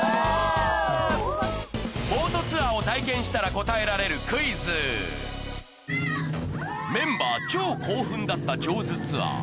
ボートツアーを体験したら答えられるクイズメンバー超興奮だったジョーズツアー